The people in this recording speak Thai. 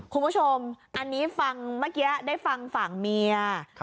คุณผู้ชมอันนี้ฟังเมื่อกี้ได้ฟังฝั่งเมีย